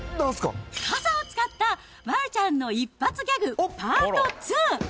傘を使った丸ちゃんの一発ギャグパート２。